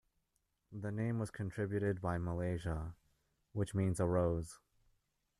The name was contributed by Malaysia, which means a rose.